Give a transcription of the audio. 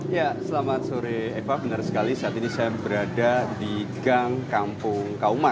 ya selamat sore eva benar sekali saat ini saya berada di gang kampung kauman